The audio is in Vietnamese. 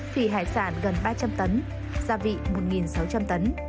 thủy hải sản gần ba trăm linh tấn gia vị một sáu trăm linh tấn